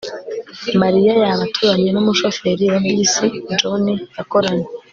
mariya yaba aturanye numushoferi wa bisi john yakoranye